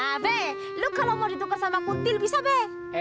abe lu kalau mau ditukar sama kuntil bisa bek